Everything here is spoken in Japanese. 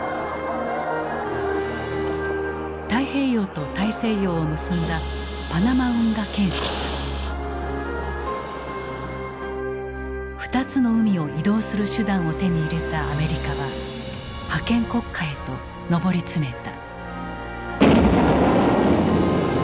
太平洋と大西洋を結んだ２つの海を移動する手段を手に入れたアメリカは覇権国家へと上り詰めた。